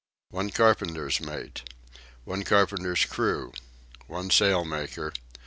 1 Carpenter's Mate. 1 Carpenter's Crew. 1 Sailmaker.